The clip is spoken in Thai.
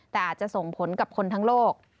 แต่อาจจะส่งผลกับคนทั้งโลก